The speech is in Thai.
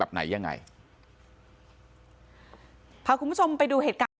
จังหวะนั้นได้ยินเสียงปืนรัวขึ้นหลายนัดเลย